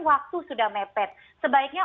waktu sudah mepet sebaiknya